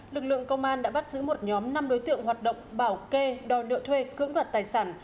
lực lượng công an đã bắt giữ một nhóm năm đối tượng hoạt động bảo kê đòi nợ thuê cưỡng đoạt tài sản